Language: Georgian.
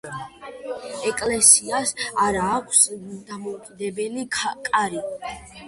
ეკლესიას არა აქვს დამოუკიდებელი კარი.